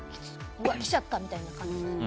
来ちゃったみたいな感じ。